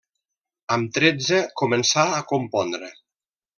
Amb tretze començà a compondre.